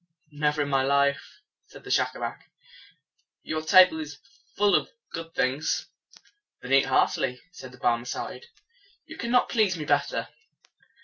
"Never in my life," said Schacabac. "Your table is full of good things." "Then eat heartily," said the Barmecide. "You cannot please me better."